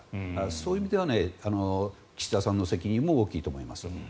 そういう意味では岸田さんの責任も大きいと思います。